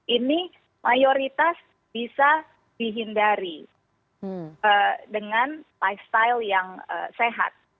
ini mayoritas bisa dihindari dengan lifestyle yang sehat